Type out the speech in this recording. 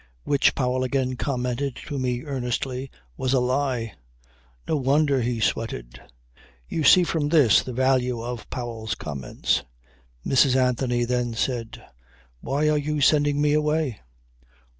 "Which," Powell again commented to me earnestly, "was a lie ... No wonder he sweated." You see from this the value of Powell's comments. Mrs. Anthony then said: "Why are you sending me away?"